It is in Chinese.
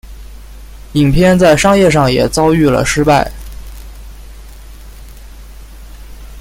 影片在商业上也遭遇了失败。